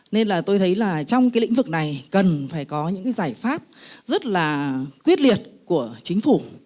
nên là tôi thấy trong lĩnh vực này cần phải có những giải pháp rất là quyết liệt của chính phủ